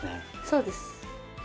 そうです。